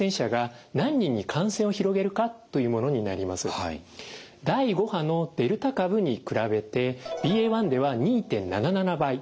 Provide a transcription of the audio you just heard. これは第５波のデルタ株に比べてＢＡ．１では２．７７倍。